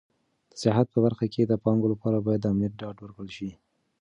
د سیاحت په برخه کې د پانګونې لپاره باید د امنیت ډاډ ورکړل شي.